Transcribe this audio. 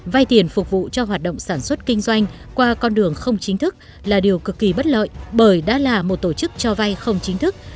vay tiền phục vụ cho hoạt động sản xuất kinh doanh qua con đường không chính thức là điều cực kỳ bất lợi bởi đã là một tổ chức cho vay không chính thức